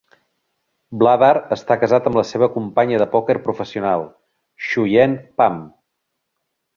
Vladar està casat amb la seva companya de pòquer professional Xuyen Pham.